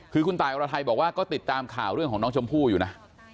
คือคุณตายอรไทยบอกว่าก็ติดตามข่าวเรื่องของน้องชมพู่อยู่นะ